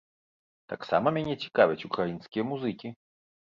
Таксама мяне цікавяць украінскія музыкі.